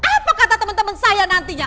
apa kata temen temen saya nantinya